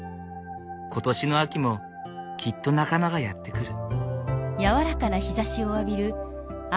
今年の秋もきっと仲間がやって来る。